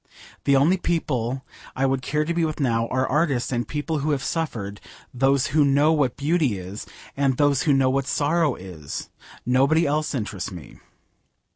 The only people I would care to be with now are artists and people who have suffered: those who know what beauty is, and those who know what sorrow is: nobody else interests me.